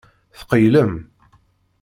Tqeyylem.